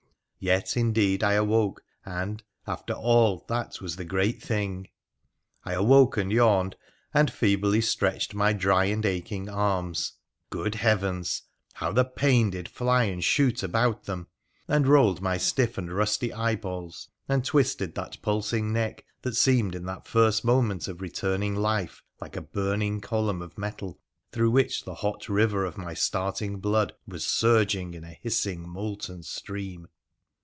Yet, indeed, I awoke, and, after all, that was the great thing. I awoke and yawned, and feebly stretched my dry and aching arms— good heavens ! how the pain did fly and shoot about them !— and rolled my stiff and rusty eyeballs, and twisted that pulsing neck that seemed in that first moment of returning life like a burning column of metal through which the hot river of my starting blood was surging in a hissing, molten stream.